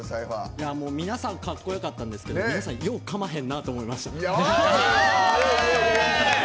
皆さんかっこよかったんですけど皆さん、ようかまへんなと思いました。